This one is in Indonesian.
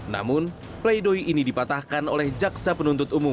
namun play doh ini dipatahkan oleh jaksa penuntut umum